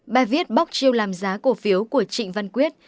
bài viết bóc chiêu làm giá cổ phiếu của trịnh văn quyết